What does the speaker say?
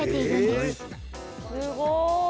すごい！